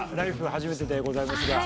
初めてでございますが。